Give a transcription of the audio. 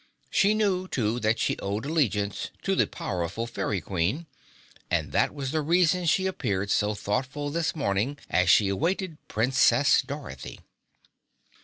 She knew, too, that she owed allegiance to the powerful Fairy Queen, and that was the reason she appeared so thoughtful this morning as she awaited Princess Dorothy.